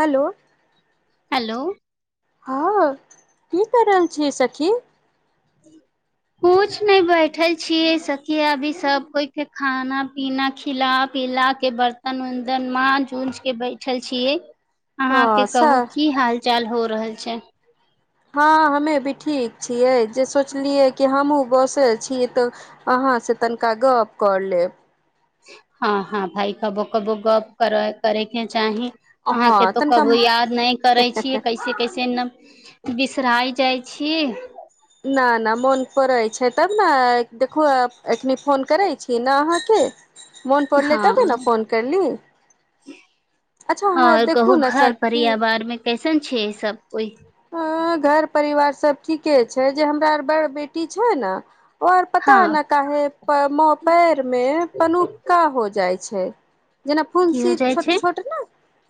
hello hello हँ की कर रहल छी सखी कुछ नै बैठल छीयै सखी अभी सब कोइ के खाना पीना खिलाब पीला के बर्तन उर्तन माज उज के बैठल छियै हँ अहाँके कहू सर की हाल चाल हो रहल छै हँ हमे भी ठीक छियै जे सोचलियै कि हमहहुँ बसल छियै तऽ अह हँ से तनिका गप क लेब हँ हँ भइ कबो कबो गप कर करैके चाही हँ अहाँके तो तनिका कबो याद नहि करै छियै कैसे कैसे न बिसराइ जाइ छीय ना ना मोन पै छै तब ने देखू एखनी फोन करै छी अहाँके मोन परलै हँ तबे ने फोन करली अच्छा हँ आओर देखू कहू ने घर सखी परिवार मे कैसन छै सब कोइ ह घर परिवार सभ ठीके छै जे हमरा बड़ बेटी छै ने और पता हँ न काहे पेर मे पनुपका हो जाय छै जेना की हो फुंसी जाइ छोट छै छोट ने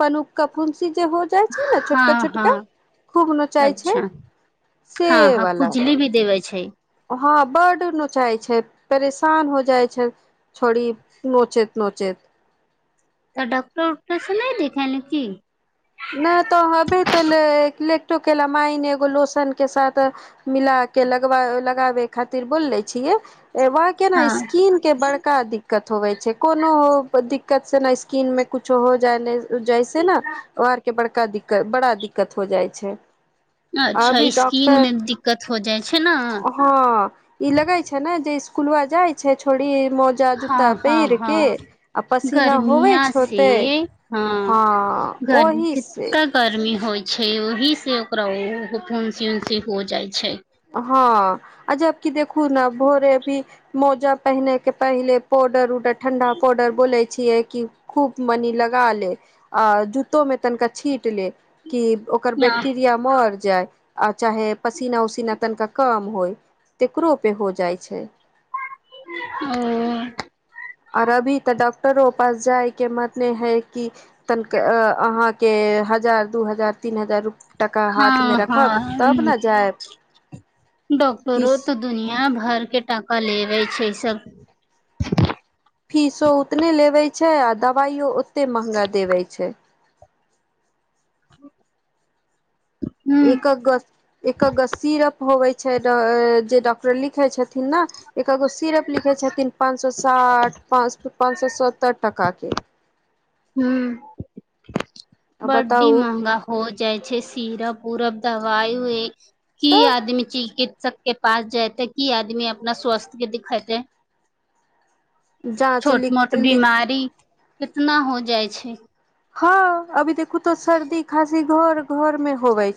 पनुक का फुंसी जे हो जाइ छै ने छोटका हँ छोटका हँ खूब नोचैय छै अच्छा से हँ हँ वला खुजली भी देवे छै हँ बड नोचाइ छै परेशान हो जाइ छै छोड़ी नोचैत नोचैत तऽ डॉकटर उक्टर से नहि देखाय नकि नहि तो हबे लेटमइन एगो लोशन के साथ मिल के लग लगाबे खातिर बोलले छियै वहके ने हँ स्क्रीनके बड़का दिक्कत होबै छै कोनो दिक्कत से ने स्किन मे कुछो हो जाइ जाइस ने आर के बड़का दिक्कत बड़ा दिक्कत हो जाइ छै अच्छा अभी स्किन डॉक्टर मे दिक्कत हो जाइ छै ने हँ ई लगै छै ने जे कुल आ जाइ छै छोड़ी मोजा जूता हँ हँ पहिर के हँ आ पसीना होवे गर्मिया छै होते हँ गरम ओहि से कितना गर्मी हो छै ओहि से ओकरा फुंसी उन्सी हो जाइ छै हँ आ जब की देखू न भो रहे अभी मोजा पहने के पहले पाडर उडर ठंडा पाउडर बोले छीय की खूब मलिलेय लगा ले आ जूतो में तनिका छीट ले कि ओकर बैक्टेरिया मर जाय आ चाहे पसीना उसीना तनिका काम होइ तेकरो पे हो जाइ छै ओ ओर अभी तऽ डॉक्टरो पास जाय के मत नहि है कि तनिक अहाँके हजार दू हजार तीन हजार रुप हँ हँ ह जायब डॉक्टरो फीस तऽ दुनिया घर के टाका लेबे छै सब फीसो उतने लेबै छै आ दबाइो ओते महगा देबै छै ह एक एक सीराफ होबै छै ड जे डॉक्टर लिखैत छथिन ने एकगो सिरप लिखे छथिन पाँच सए साठ पाच पाँच सए सत्तर टाका के हँ बड्डी बताउ महगा हो जाइ छै सीर उूरब दवाई यु की तऽ आदमी चीज कि सब के पास जेयतै की आदमी अपना स्वास्थ्य के दिखेतै जाँच छोट लिख मोट लिख बीमारी कितना हो जाइ छै हँ अभी देखु तो सर्दी खासी घर घर में होवे छै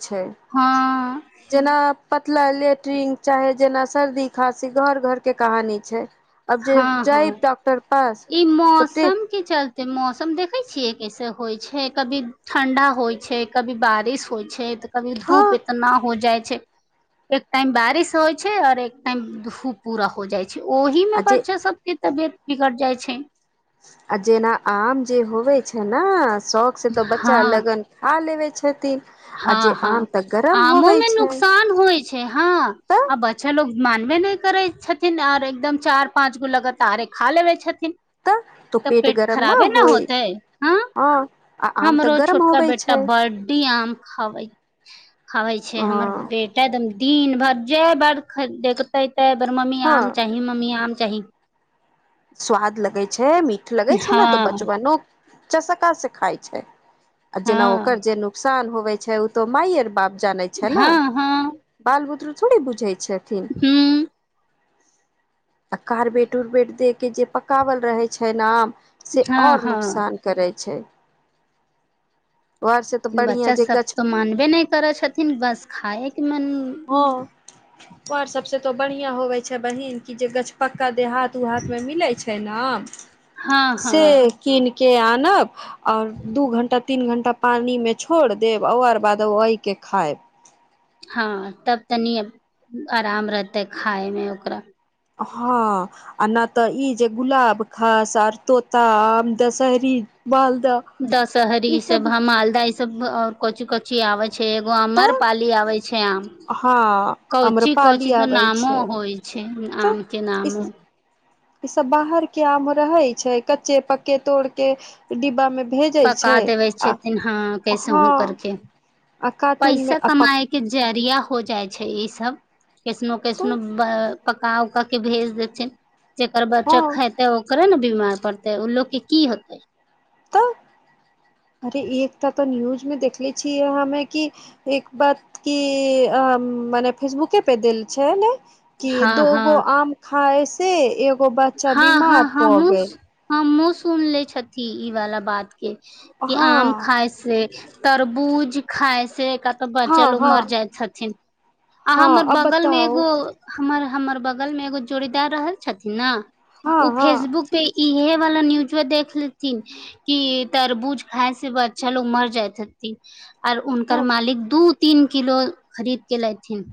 हँ जेना पतला लेट्रिन चाहे जेना सर्दी खाँसी घर घर के कहानी छै अब जे हँ जाइब हँ डॉक्टर पास ई तऽ मौसम के चलते तऽ मौसम देखै छियै कैसे होइ छै कभी ठण्डा होइ छै कभी बारिश होइ छै तऽ कभी हँ धूप इतना हो जाइ एक टाइम बारिश होइ छै आऔर एक टाइम धूप पूरा हो जाइ छै ओ आ जे बच्चा सबके तबियत बिगड़ जाइ छै आ जेना आम जे होवे छै ने शौक से तऽ बच्चा हँ लगन खा लेबे क्ष हँ हँ आमो मे छै नुकसान होइ छै हँ तऽ आ बच्चा लोग मानबे नहि करै छथिन आओर एकदम चारि पाँच गो लगातारे खा लेबै छथिन तऽ तो तऽ पेट गरम खराबे न होइ होतै हँ आ आम तऽ हमरो गरम छोटा होवे बेटा छै बर्डी आम खाबै छै हँ हमर बेटा एकदम दिन भरि जा बेर देखतै ता बेर मम्मी हँ आम चाही मम्मी आम चाही स्वाद लगे छै मीठ लगे छै ने हँ त बचबनो चसका से खााय छै आ जेना ओकर हँ जे नुकसान होवे छै ओ तो मायइ आर बाप जानै छै ने हँ हँ बाल बुदरू थोड़े बुझै छथिन हूँ आ कारबेट उरबेट दे के जे पकावल रहे छै ना आम से हँ आओर हँ नुकसान करैत छै घर से तऽ बढ़िया बच्चा जे सब गछ तऽ मानबे नहि करै छथिन बस खाायके मन हँ आर सबसे तो बढ़िया होवे छै बहिन क जे गछपक्का देहात उहाथ मे मिलै छै न हँ हँ से कीन के आनब आओर दू घंटा तीन घंटा पानिमे छोड़ि देब ओकर बाद एहिके खाएब हँ तब तनि आराम रहतै खााय मे ओकरा हँ आ नहि तऽ ई जे गुलाब खास आर तोता आम दशहरी बाल दशहरी ई सब ह मालदह ई सब आ कचु कची आ छै एगो तऽ अमरपालाली आ छै आम हँ कौची आम्रपाली की तऽ आबै नामो छै होइ छै तऽ आम के इस नामो ई सब बाहर के आम रहे छै कच्चे पक्के तोड़ के डिब्बा मे भेजै पका छै देबै आ छथिन हँ कैसे हँ हु करके आ कार्टून मे पैसा आ पक कमाएके जरिया हो जाइ छै ई सब कैसनो कैसनो पका उका के भेज देतन जकर बच्चा हँ खेतै ओकरे ने बिमार पड़तै ओ लोकग के की होतै तऽ अरे एक तऽ न्यूज में देखले छिय हम एक बात क फेसु पे दिल छै ने कि हँ दोगो आम खाय से एगो बच्चा हँ हँ बीमार हँ प गेल हमसु हमसु सुन ले छथी ई वाला बात के कऽ हँ आम खाय से तरबूज खाइ से क तऽ बच्चा हँ लोग हँ मर जाइत छथिन आ हँ हमर अब बगल मे बताउ एगो हमर हमर बगल में एगो जोड़ीदार रहल छथिन ने हँ ओ हँ फेसबुक पे इहे वाला न्यूज मे देख लेथिन कि तरबूज खाय से बच्चा लोग मर जाय हैतै आर हँ हुनकर मालिक दू तीन किलो खरीद के लेथिन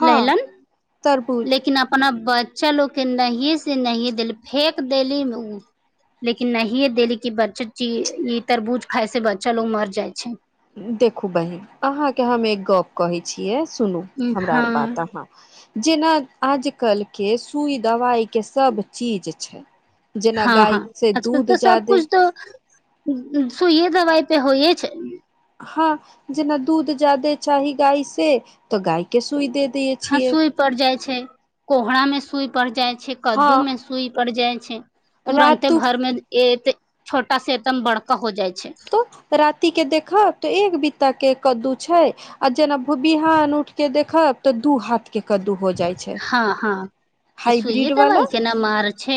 हँ लैलन तरबूज लेकिन अपना ब नहि से नहिह देली फेेक देली ओ लेकिन नहिे देली कि बच्चा ई तरबूज खाय से बच्चा लोग मर जाइ छै देखू बहिन अहाँ के हम एक गप्प कहै छियै सुनू हमरा आर बात हँ अहाँ जेना आजकल के सुई दवाइ के सब चीज छै जेना हँ हँ गाय से आजकल दूध तऽ सब जादे कछु तऽ सुूइए दवाइ पे होइए छै हाँ जेना दूध जाादे चाही गाय से तऽ गाय के सु हँ सूई पड़ जाइ छै कोहरा मे सुई पड़ जाइ छै हँ कद्दू मे सुई पड़ि जाइ छै तुरन्ते रातु भर में छोटा से एकदम बड़का हो जाइ छै तो राति के देखा त एक बीता के कद्दू छै आ जेना भ बिहान उठ के देखब तऽ दू हाथ के कद्दू हो जाइ छै हँ हँ ई सुइए हाइब्रिड वाला दबाइ के ना मार छै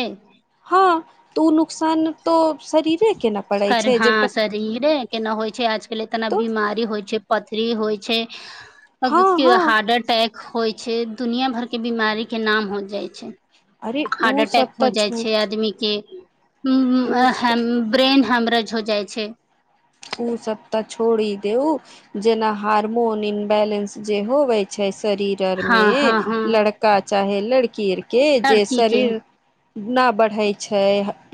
हँ तू नुकसान तऽ शरीरे के ने पड़ै कर छै जे हाँ शरीरे के नहि होइ छै आजकल इतना तो बीमारी होइ छै पथरी होइ छै हँ क्यों हँ हार्ट अटैक होइ छै दुनिआ भर के बीमारी के नाम हो जाइ छै अरे ओ हार्ट सब अटैक तऽ हो जाइ छो छै आदमी के ओ ब्रेन हेमरेज हो जाइ छै ओ सब तऽ छोड़ी देउ जेना हार्मोन इनबैलेंस जे होवे छै शरीर आर हँ हँ में हँ लड़का चाहे लड़की आर के जे लड़की के शरीर नहि बढ़ै छै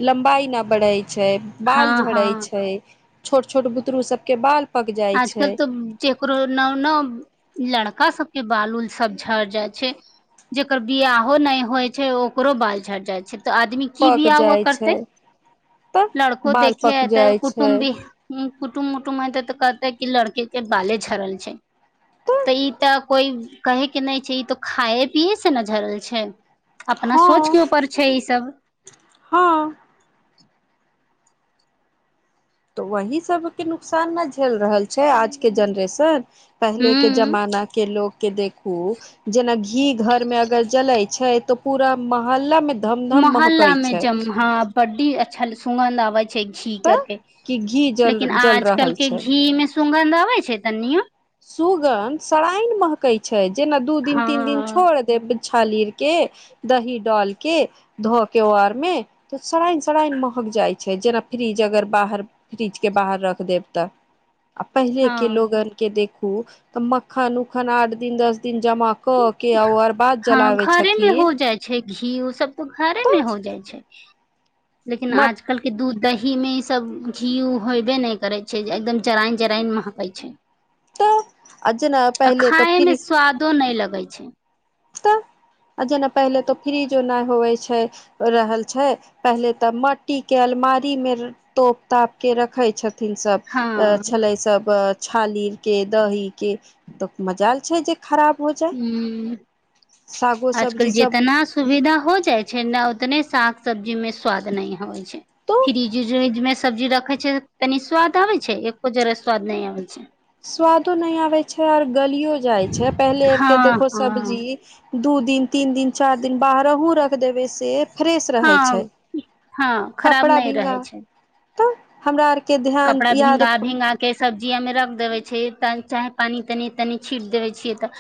लम्बाई नहि बढ़ै छै हँ बाल हँ झड़ै छै छोट छोट बुतरू सब के बाल पक जाइ आजकल छै तऽ जेकरो न न लड़का सब के बाल उल सब झड़ जाइ छै जेकर बिहाहो नहि होइ छै ओकरो बाल झरि जाइ छै तऽ आदमी की पक बिआ हुआ जाइ छै करतै तऽ लड़को बाल देखे पक ह तऽ जाइ छै कुटुम् भी कुटुम उटुम ह त तऽ तऽ क लड़की के बाले झड़ल छै तऽ ई तऽ कोई कहे के नहि छै ई तऽ खाए पियए से ने झरल छै अपना सोच हँ के उपर छै ई सभ हँ तऽ वही सब के नुकसान न झेल रहल छै आज के जेनरेशन पहले के हूँ जमाना के लोग के देख जेना घी घर मे अगर जले छै तऽ पूरा मोहल्ला में मोहल्ला में जम हा बड्डी अच्छा सुगंध घी तऽ करके कि घी जल लेकिन जल आजकल रहल के छै घी में सुगंध अबे छै तनियो सुगंध सराइन महकै छै जेना दू दिन हँ तीन दिन छोड़ देब छालीर के दही डाल के धो के आर में तऽ सरान सरान महकै जाइ छै जेना फ्रिज अगर बाहर फ्रिज के बाहर रख देब तऽ आ पहिले के हँ लोगन के देखू तऽ मक्खन उकखन आठ दिन दस दिन जमा क के आ अर बाद हँ जलाबै घरे मे हो छथिन जाइ छै घी ओ सब तऽ घरे तऽ मे हो जाइ छै लेकिन मट आजकलके दूध दही मे ई सब घी होयबे नहि करे छै एकदम जरायन जरायन महकै छै आ जेना आ पहिले तऽ खायमे फ्री स्वादो नहि लगै छै तऽ आ जेना पहिले तो फ्रिजो नहि होवे छै रहल छै पहिले तऽ मट्टी के अल बमारी मे तोप ताप के रखे छथिन सब हँ छले सब छालीर के दही के तऽ मजाल छै जे खराब हो जाय हुँ सागो आजकल सब्जी सब जितना सुविधा हो जाइ छै ने उतने साग सब्जी में स्वाद नहि होइ छै तो फ्रिज व्रिज मे सब्जी रखे छै कनि स्वाद आबे छै एको जरह स्वाद नहि आबे छै स्वादो नहि आबैत छै आओर गलियो जाइ छै पहिले आरके हँ देखो हँ सब्जी दू दिन तीन दिन चारि दिन बाहरहु रख देबै से फ्रेश रहै छै हँ हँ खराब कपड़ा नहि भींगा रहै छै तो हमरा आरके ध्यान कपड़ा भींगा याद भीङंगा के सब जिया मे रख देवे छै चाहे पानी तनी तनी छीट देवे छिये तऽ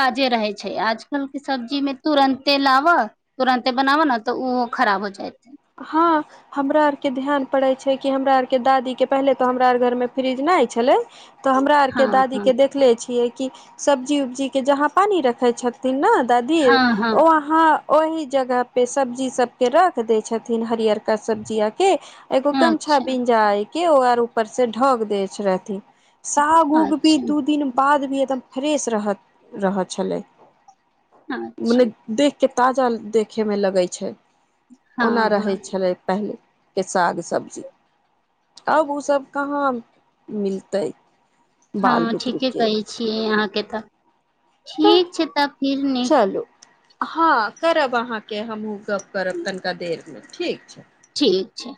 ताजे रहे छै आ आजकल के सब्जी में तुरंते लाबह तुरंते बनाबऽ ने तऽ ओहो खराब हो जायतेै हँ हमरा आर के ध्यान पड़े छै कि हमरा आर के दादी के पहले तो हमरा आर घर मे फ्रीज ने छले तऽ हमरा आर हँ के दादी हँ के देखले छियै कि सब्जी उब्जी के जहाँ पानी रखै छथिन ने दादी हँ ओ अहाँ ओहि जगह पे सब्जी सब के राख देय छथिन हरियर का सब्जीिया के एगो हँ गमछा अच्छा बिंजा के आर ऊपर से ढोक द रहथि साग उग भी अच्छा दू दिन बाद भी एकदम फ्रेश रह रह छलै अच्छा मने देखके ताजा देखेमे लगै छै हँ ओना रहै हँ छलै पहिले के साग सब्जी आब ओसभ कहाँ मिलतै बाल हँ बुतरू ठीके के कहै छियै अहाँके तऽ तऽ ठीक छै तब फिर न चलू हँ करब अहाँके हमहूँ गप करब तनिका देरमे ठीक छै ठीक छै